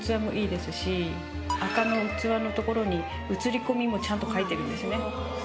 赤の器の所に映り込みもちゃんと描いてるんですね。